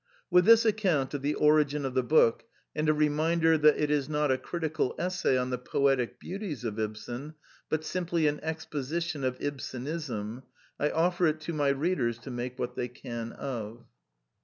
With this account of the origin of the book, and a reminder that it is not a critical essay on the poetic beauties of Ibsen, but simply an expo sition of Ibsenism, I offer it to my readers to make what they can of.